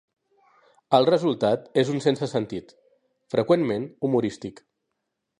El resultat és un sense sentit, freqüentment humorístic.